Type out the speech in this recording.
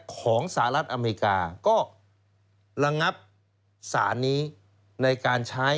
สหรัฐอเมริกาก็ระงับสารนี้ในการใช้